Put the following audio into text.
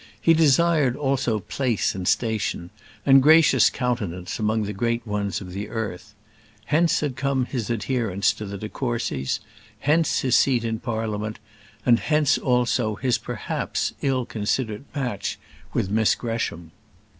He desired also place and station, and gracious countenance among the great ones of the earth. Hence had come his adherence to the de Courcys; hence his seat in Parliament; and hence, also, his perhaps ill considered match with Miss Gresham.